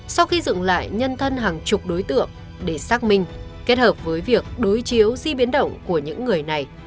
sau khi dựng lại nhân thân hàng chục đối tượng để xác minh kết hợp với việc đối chiếu di biến động của những người này